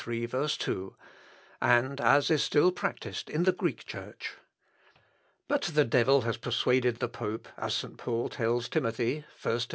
2,) and as is still practised in the Greek Church. But the devil has persuaded the pope, as St. Paul tells Timothy (1 Tim.